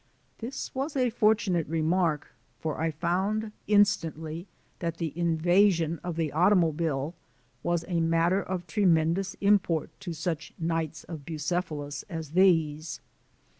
This was a fortunate remark, for I found instantly that the invasion of the automobile was a matter of tremendous import to such Knights of Bucephalus as these.